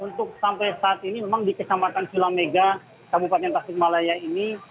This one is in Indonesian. untuk sampai saat ini memang di ketamatan silamega kabupaten tasik malaya ini